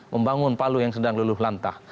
membangun palu yang sedang luluh lantah